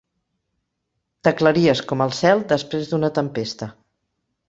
T'aclaries com el cel després d'una tempesta.